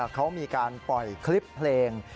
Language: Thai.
เขามีการปล่อยคลิปเพลง